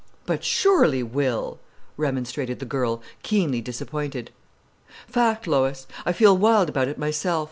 "But surely, Will!" remonstrated the girl, keenly disappointed. "Fact, Lois!—I feel wild about it myself.